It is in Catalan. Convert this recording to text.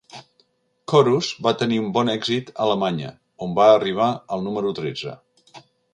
"Chorus" va tenir un bon èxit a Alemanya, on va arribar al número tretze.